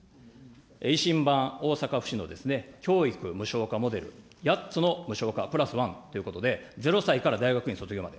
維新版大阪府市の教育無償化モデル８つの無償化＋１ということで、０歳から大学院卒業まで。